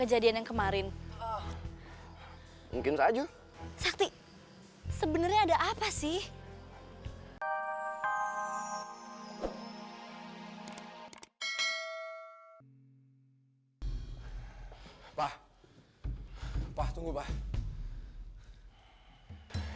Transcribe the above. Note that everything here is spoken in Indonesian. pak tunggu pak